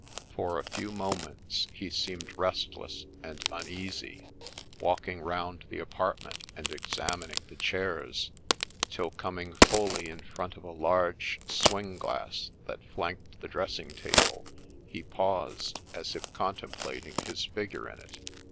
For a few moments he seemed restless and uneasy, walking round the apartment and examining the chairs, till, coming fully in front of a large swing glass that flanked the dressing table, he paused, as if contem plating his figure in it.